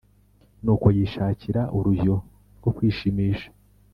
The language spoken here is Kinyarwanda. Nuko yishakira urujyo rwo kwishimisha,